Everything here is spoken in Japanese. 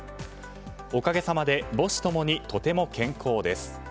おかげさまで母子共に健康です。